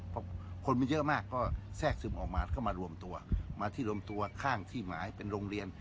พอคนไม่เยอะมากก็แทรกซึมออกมาก็มารวมตัวมาที่รวมตัวข้างที่หมายเป็นโรงเรียน